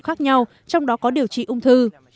khác nhau trong đó có điều trị ung thư